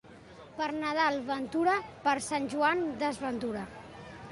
Per Nadal ventura, per Sant Joan desventura.